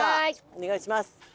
お願いします。